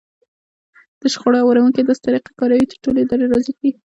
د شخړو هواروونکی داسې طريقه کاروي چې ټولې ډلې راضي کړي.